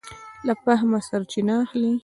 له فهمه سرچینه اخلي.